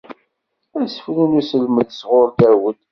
Asefru n uselmed, sɣur Dawed.